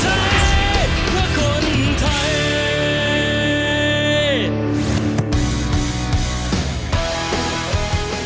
เราจะเชียร์บนไทย